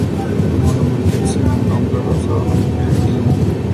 El monumento exhibe a un hombre abrazando a una mujer y a un niño.